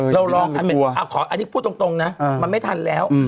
เราลองอันที่พูดตรงนะมันไม่ทันแล้ว